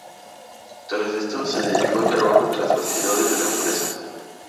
Tras esto, se dedicó al trabajo tras bastidores de la empresa.